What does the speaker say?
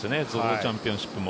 チャンピオンシップも。